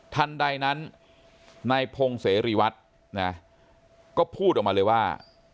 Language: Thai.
ทันใดนั้นนายพงศ์เสรีวัฒน์นะก็พูดออกมาเลยว่า